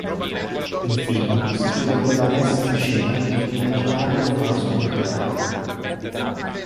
Il film si chiude con la messa in scena di un immaginario olocausto nucleare.